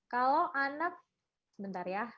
kalau anak sebentar ya